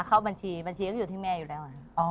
เข้าบัญชีบัญชีก็อยู่ที่แม่อยู่แล้ว